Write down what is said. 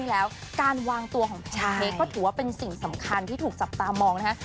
แล้วการวางตัวของแพนเค้กก็ถือว่าเป็นสิ่งสำคัญที่ถูกจับตามองนะฮะ